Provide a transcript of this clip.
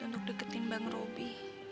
untuk deketin bang robi